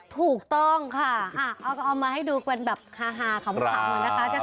ถูกต้องค่ะเอามาให้ดูเป็นแบบฮาของสาวหน่อยนะคะ